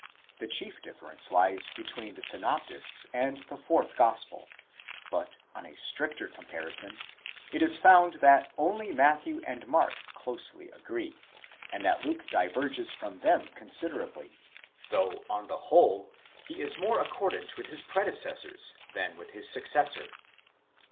The chief difference lies between the synoptists and the fourth gospel: but, on a stricter comparison, it is found that only Matthew and Mark closely agree, and that Luke diverges from them considerably, though on the whole he is more accordant with his predecessors than with his successor.